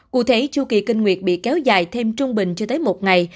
cụ thể chưu kỳ kinh nguyệt bị kéo dài thêm trung bình cho tới một ngày